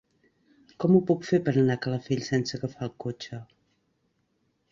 Com ho puc fer per anar a Calafell sense agafar el cotxe?